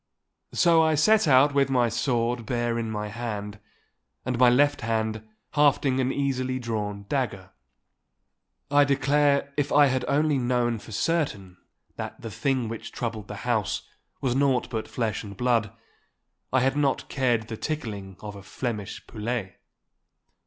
So I set out with my sword bare in my hand, and my left hand hafting an easily drawn dagger. I declare if I had only known for certain that the thing which troubled the house was naught but flesh and blood, I had not cared the tickling of a Flemish poulet.